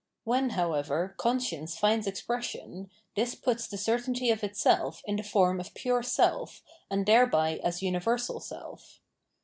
When, however, conscience finds expres sion, this puts the certainty of itself in the form of pure self and thereby as universal self.